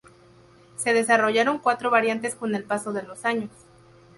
Se desarrollaron cuatro variantes con el paso de los años.